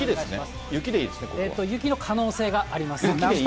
えっと雪の可能性があります。